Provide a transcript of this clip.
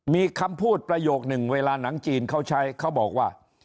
มีคำพูดประโยคนึงเวลาหนังจีนเขาใช้เขาบอกว่า